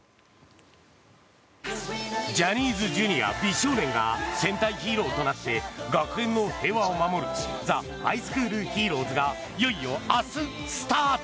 ジャニーズＪｒ．美少年が戦隊ヒーローとなって学園の平和を守る「ザ・ハイスクールヒーローズ」がいよいよ明日スタート！